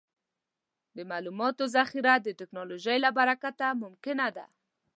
د معلوماتو ذخیره د ټکنالوجۍ له برکته ممکنه ده.